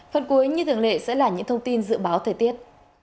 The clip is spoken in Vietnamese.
phần cuối như thường lệ sẽ là những thông tin dự báo thời tiết